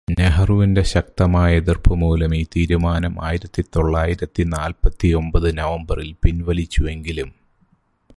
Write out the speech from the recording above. നെഹ്റുവിന്റെ ശക്തമായ എതിര്പ്പുമൂലം ഈ തീരുമാനം ആയിരത്തി തൊള്ളായിരത്തി നാല്പത്തിയൊമ്പത് നവംബറില് പിന്വലിച്ചുവെങ്കിലും